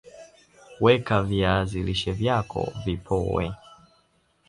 weka viazi lishe vyako vipoe